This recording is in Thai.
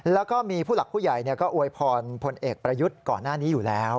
แล้วก็มีผู้หลักผู้ใหญ่ก็อวยพรพลเอกประยุทธ์ก่อนหน้านี้อยู่แล้ว